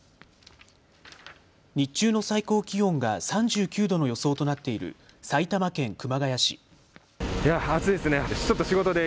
日中の最高気温が３９度の予想となっている埼玉県熊谷市。